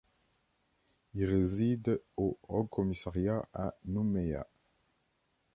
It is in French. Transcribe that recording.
Il réside au Haut-Commissariat à Nouméa.